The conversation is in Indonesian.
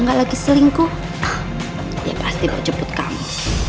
gak lagi selingkuh dia pasti bakal jemput kamu